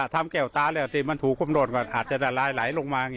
ทันเข่าตาแล้วก็ถูกคมโลดเลย